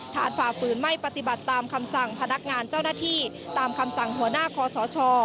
ฝ่าฝืนไม่ปฏิบัติตามคำสั่งพนักงานเจ้าหน้าที่ตามคำสั่งหัวหน้าคอสช